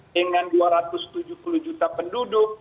dengan dua ratus tujuh puluh juta penduduk